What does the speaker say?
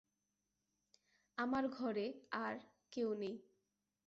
আমার ঘরে আর-কেউ নেই।